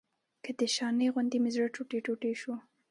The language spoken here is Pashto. که د شانه غوندې مې زړه ټوټې ټوټې شو.